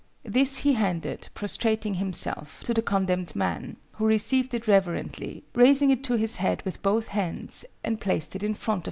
This he handed, prostrating himself, to the condemned man, who received it reverently, raising it to his head with both hands, and placed it in front of himself.